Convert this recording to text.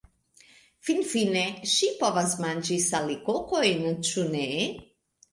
Finfine, ŝi povas manĝi salikokojn, ĉu ne?